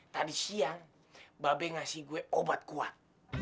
tadi siang babe ngasih gue obat kuat